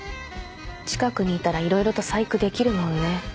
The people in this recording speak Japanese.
近くにいたらいろいろと細工できるもんね。